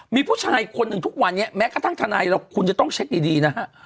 มีผู้ชายคนหนึ่งทุกวันนี้แม้กระทั่งทนายเราคุณจะต้องเช็คดีนะฮะ